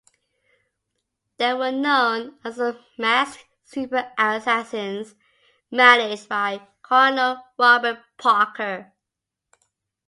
They were known as the masked "Super Assassins", managed by Colonel Robert Parker.